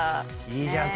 いいじゃん。